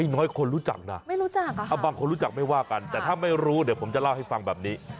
น้อยคนรู้จักนะไม่รู้จักบางคนรู้จักไม่ว่ากันแต่ถ้าไม่รู้เดี๋ยวผมจะเล่าให้ฟังแบบนี้